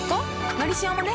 「のりしお」もね